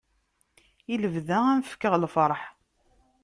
I lebda ad am fkeɣ lferḥ.